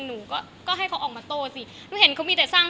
หนูก็ก็ให้เขาออกมาโต้สิหนูเห็นเขามีแต่สร้าง